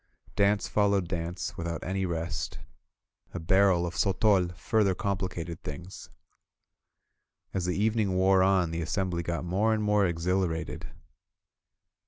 Dance followed dance, without any rest. A barrel of sotol further complicated things. As the evening wore on the assembly got more and more exhilarated.